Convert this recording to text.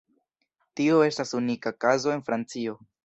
Tio estas unika kazo en Francio.